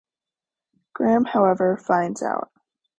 Graham however finds out.